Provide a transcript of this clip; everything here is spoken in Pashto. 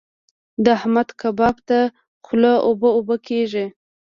د احمد کباب ته خوله اوبه اوبه کېږي.